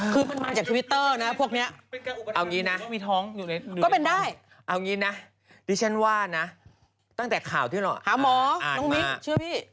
คือมันมาจากทวิตเตอร์นะพวกเนี้ย